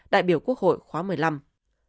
đại biểu quốc hội khóa một mươi năm